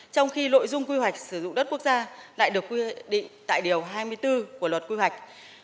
trong khi nội dung quy hoạch sử dụng đất quốc gia lại được quy định tại điều hai mươi bốn của luật quy hoạch